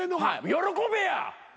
喜べや！